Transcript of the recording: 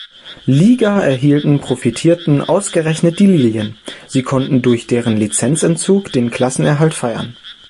Liga erhielten, profitierten ausgerechnet die Lilien; sie konnten durch deren Lizenzentzug den Klassenerhalt feiern.